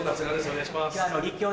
お願いします。